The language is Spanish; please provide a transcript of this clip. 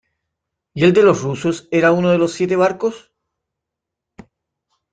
¿ y el de los rusos era uno de los siete barcos?